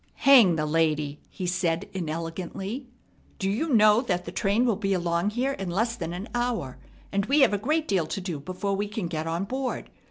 "Hang the lady!" he said inelegantly. "Do you know that the train will be along here in less than an hour, and we have a great deal to do before we can get on board?